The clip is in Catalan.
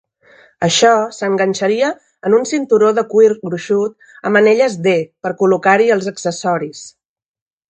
Això s'enganxaria en un cinturó de cuir gruixut amb anelles D per col·locar-hi els accessoris.